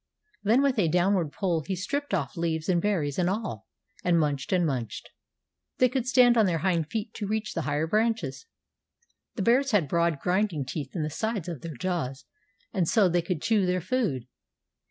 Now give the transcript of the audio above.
Then with a downward pull he stripped off leaves and berries and all, and munched and munched. They could stand on their hind feet to reach the higher branches. The bears had broad grinding teeth in the sides of their jaws, and so they could chew their food.